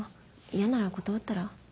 嫌なら断ったら？